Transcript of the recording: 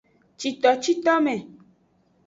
Citocitome.